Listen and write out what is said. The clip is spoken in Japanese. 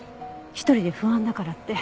一人で不安だからって。